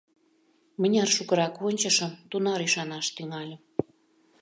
Мыняр шукырак ончышым, тунар ӱшанаш тӱҥальым.